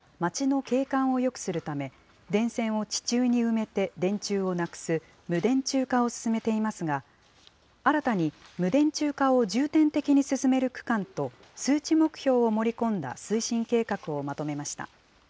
国土交通省は、災害対策や街の景観をよくするため、電線を地中に埋めて電柱をなくす無電柱化を進めていますが、新たに無電柱化を重点的に進める区間と、数値目標を盛り込んだ推進計画をまとめました。